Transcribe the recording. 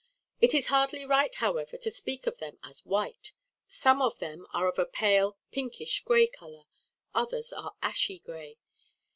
It is hardly right, however, to speak of them as white. Some of them are of a pale, pinkish gray colour. Others are ashy gray.